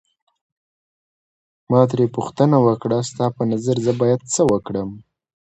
ما ترې پوښتنه وکړه ستا په نظر زه باید څه وکړم.